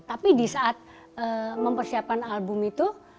tapi di saat mempersiapkan album itu